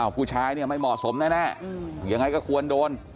ผู้ชายเนี่ยไม่เหมาะสมแน่ยังไงก็ควรโดน